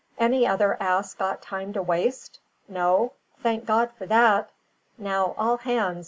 Any other ass got any time to waste? No? Thank God for that! Now, all hands!